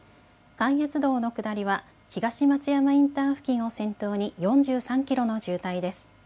関越道の下りは東松山インター付近を先頭に４３キロの渋滞です。